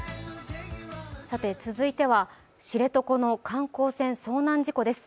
続いては知床の観光船遭難事故です。